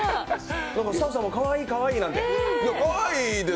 スタッフさんもかわいい、かわいいなんて。